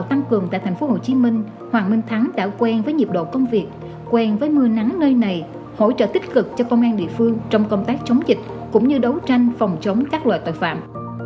tăng cường tại tp hcm hoàng minh thắng đã quen với nhịp độ công việc quen với mưa nắng nơi này hỗ trợ tích cực cho công an địa phương trong công tác chống dịch cũng như đấu tranh phòng chống các loại tội phạm